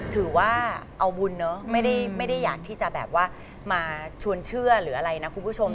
ถือว่าเอาบุญเนอะไม่ได้อยากที่จะแบบว่ามาชวนเชื่อหรืออะไรนะคุณผู้ชม